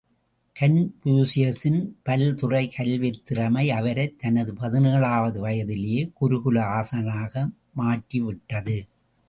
கன்பூசியசின் பல்துறை கல்வித் திறமை அவரைத் தனது பதினேழாவது வயதிலேயே குருகுல ஆசானாக மாற்றி விட்டது.